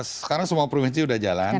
sekarang semua provinsi sudah jalan